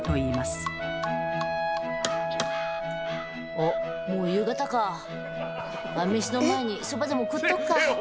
おっもう夕方か晩飯の前にそばでも食っとくか！